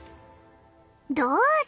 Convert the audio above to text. どうぞ。